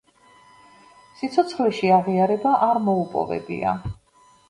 სიცოცხლეში აღიარება არ მოუპოვებია.